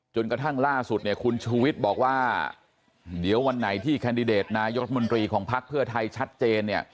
กระทั่งล่าสุดเนี่ยคุณชูวิทย์บอกว่าเดี๋ยววันไหนที่แคนดิเดตนายกรัฐมนตรีของพักเพื่อไทยชัดเจนเนี่ย